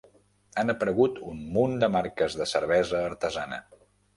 Han aparegut un munt de marques de cervesa artesana.